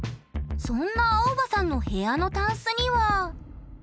そんなアオバさんの部屋のタンスには。